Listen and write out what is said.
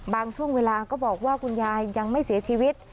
ช่วงเวลาก็บอกว่าคุณยายยังไม่เสียชีวิต